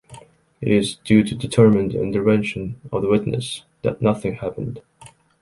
It is due to the determined intervention of the witness that nothing happened.